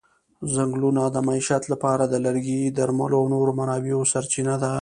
ځنګلونه د معیشت لپاره د لرګي، درملو او نورو منابعو سرچینه ده.